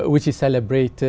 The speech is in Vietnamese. chính là ngày tết